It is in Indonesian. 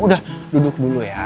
udah duduk dulu ya